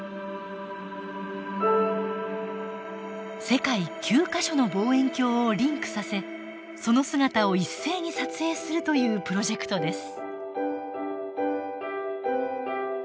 世界９か所の望遠鏡をリンクさせその姿を一斉に撮影するというプロジェクトです。